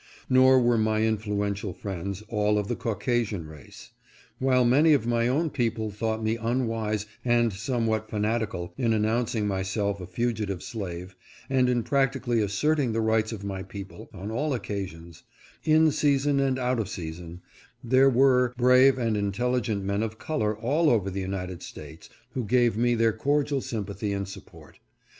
Nor were my influential friends all of the Caucasian race. While many of my own people thought me unwise and somewhat fanatical in announcing myself a fugitive slave, and in practically asserting the rights of my people, on all occasions, in season and out of season, there were brave and intelligent men of color all over the United States who gave me their cordial sympathy and support.